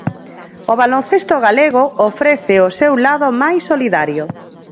O baloncesto galego ofrece o seu lado máis solidario.